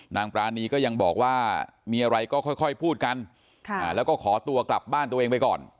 ปรานีก็ยังบอกว่ามีอะไรก็ค่อยพูดกันแล้วก็ขอตัวกลับบ้านตัวเองไปก่อน